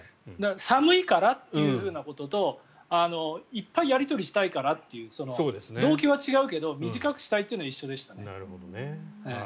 寒いからというふうなことといっぱいやり取りしたいからということと動機は違うけど短くしたいというのは一緒でしたね。